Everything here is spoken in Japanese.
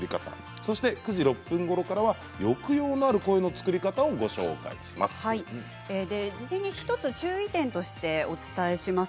そして９時６分ごろからは抑揚の事前に１つ注意点としてお伝えします。